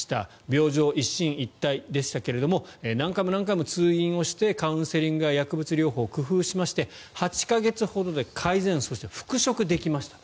病状、一進一退でしたが何回も何回も通院してカウンセリングや薬物療法を工夫しまして８か月ほどで改善そして復職できました。